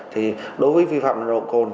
thì đối với vi phạm nồng độ cồn